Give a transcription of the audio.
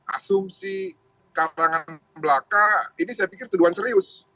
asumsi kalangan belaka ini saya pikir tuduhan serius